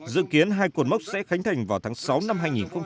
dự kiến hai cột mốc sẽ khánh thành vào tháng sáu năm hai nghìn một mươi bảy